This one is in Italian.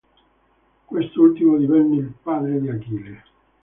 Quest'ultimo divenne il padre di Achille.